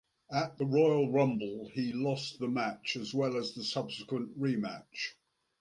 At the Royal Rumble, he lost the match, as well as a subsequent rematch.